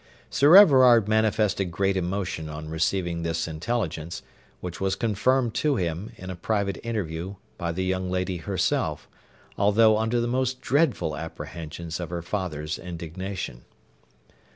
Sir Everard manifested great emotion on receiving this intelligence, which was confirmed to him, in a private interview, by the young lady herself, although under the most dreadful apprehensions of her father's indignation.